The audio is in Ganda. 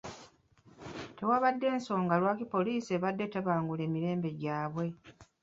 Tewaabadde nsonga lwaki poliisi yabadde etabangula emirembe gyabwe.